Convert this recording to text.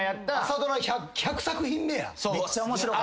朝ドラ１００作品目や。